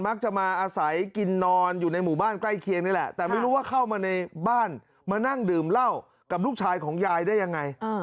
มักจะมาอาศัยกินนอนอยู่ในหมู่บ้านใกล้เคียงนี่แหละแต่ไม่รู้ว่าเข้ามาในบ้านมานั่งดื่มเหล้ากับลูกชายของยายได้ยังไง